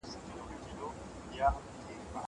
کتاب د زده کوونکي لخوا لوستل کېږي!